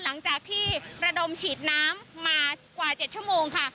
หลังจากที่ระดมฉีดน้ำมากว่า๗ชั่วโมงค่ะ